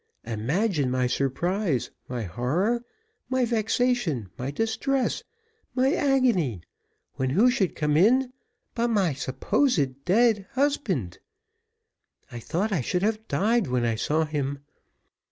Imagine my surprise, my horror, my vexation, my distress, my agony, when who should come in but my supposed dead husband! I thought I should have died when I saw him.